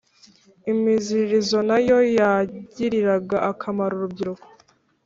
imiziririzo na yo yagiriraga akamaro urubyiruko